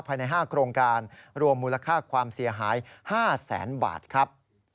ภายใน๕โครงการรวมมูลค่าความเสียหาย๕แสนบาทครับ